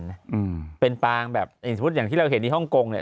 อืมเป็นปางแบบอย่างสมมุติอย่างที่เราเห็นที่ฮ่องกงเนี้ย